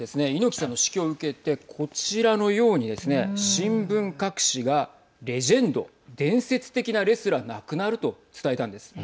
猪木さんの死去を受けてこちらのようにですね新聞各紙が、レジェンド伝説的なレスラー亡くなると伝えたんです。